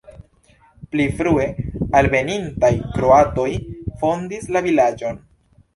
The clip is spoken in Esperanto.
Pli frue alvenintaj kroatoj fondis la vilaĝon.